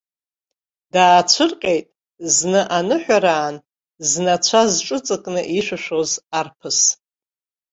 Даацәырҟьеит, зны аныҳәараан знацәа зҿыҵакны ишәышәуаз арԥыс.